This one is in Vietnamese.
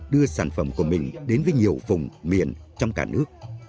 đưa sản phẩm của mình đến với nhiều vùng miền trong cả nước